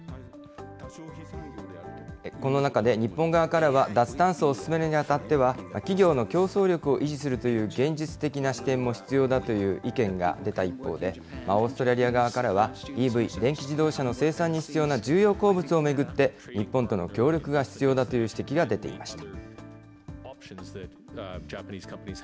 この中で日本側からは、脱炭素を進めるにあたっては、企業の競争力を維持するという現実的な視点も必要だという意見が出た一方で、オーストラリア側からは、ＥＶ・電気自動車の生産に必要な重要鉱物を巡って、日本との協力が必要だという指摘が出ていました。